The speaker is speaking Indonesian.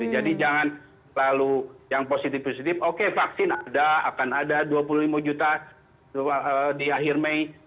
jadi jangan lalu yang positif positif oke vaksin ada akan ada dua puluh lima juta di akhir mei